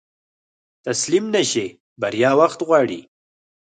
تسليم نشې، بريا وخت غواړي.